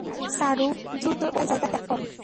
চারু, দ্রুত ওই জায়গা ত্যাগ করো।